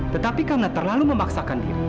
tetapi karena terlalu memaksakan diri